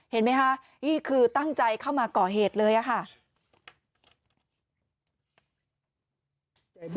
เห็นไหมคะนี่คือตั้งใจเข้ามาก่อเหตุเลยค่ะ